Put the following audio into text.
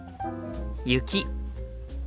雪。